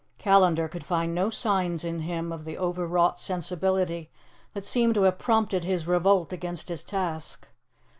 Callandar could find no signs in him of the overwrought sensibility that seemed to have prompted his revolt against his task.